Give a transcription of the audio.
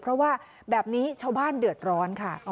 เพราะว่าแบบนี้ชาวบ้านเดือดร้อนค่ะ